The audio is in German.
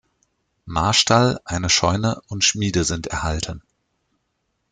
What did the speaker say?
Marstall, eine Scheune und Schmiede sind erhalten.